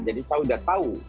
jadi saya sudah tahu